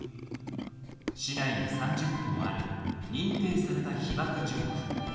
市内に３０本ある認定された「被爆樹木」。